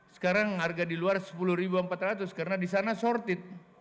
sekarang harga di luar rp sepuluh empat ratus karena di sana sortid